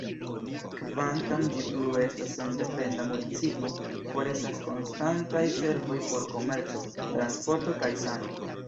Kvankam ĝi plue estas sendependa municipo, forestas konstantaj servoj por komerco, transporto kaj sano.